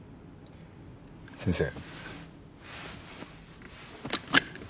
先生。